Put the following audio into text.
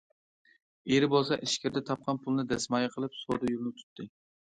ئېرى بولسا ئىچكىرىدە تاپقان پۇلىنى دەسمايە قىلىپ سودا يولىنى تۇتتى.